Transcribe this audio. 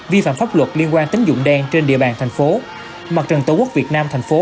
vi phạm pháp luật liên quan tính dụng đen trên địa bàn thành phố mặt trận tổ quốc việt nam thành phố